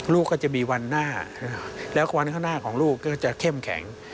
ลูกก็จะมีวันหน้าแล้ววันข้างหน้าของลูกก็จะเข้มแข็ง